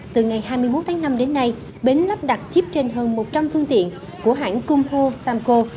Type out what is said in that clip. từ ngày hai mươi một tháng năm đến nay bến lắp đặt chip trên hơn một trăm linh phương tiện của hãng cung ho samco